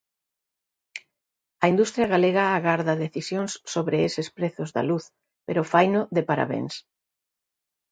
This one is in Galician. A industria galega agarda decisións sobre eses prezos da luz pero faino de parabéns.